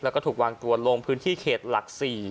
แล้วก็ถูกวางตัวลงพื้นที่เขตหลัก๔